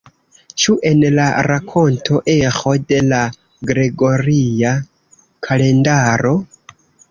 Ĉu en la rakonto eĥo de la gregoria kalendaro?